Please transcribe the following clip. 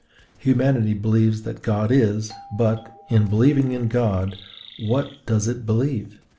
Humanity believes that God is; but, in believing in God, what does it believe?